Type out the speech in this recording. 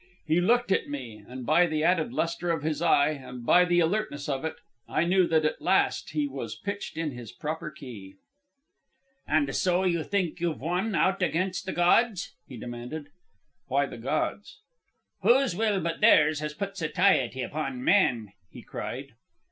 He looked at me, and by the added lustre of his eye, and by the alertness of it, I knew that at last he was pitched in his proper key. "And so you think you've won out against the gods?" he demanded. "Why the gods?" "Whose will but theirs has put satiety upon man?" he cried.